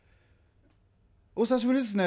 お久しぶりですね。